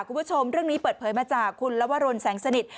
คุณผู้ชมเรื่องนี้เปิดเผยมาจากคุณลวรนแสงสนิท